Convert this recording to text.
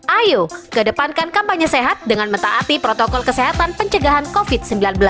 ayo kedepankan kampanye sehat dengan mentaati protokol kesehatan pencegahan covid sembilan belas